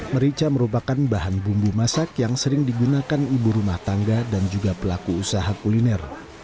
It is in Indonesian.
merica merupakan bahan bumbu masak yang sering digunakan ibu rumah tangga dan juga pelaku usaha kuliner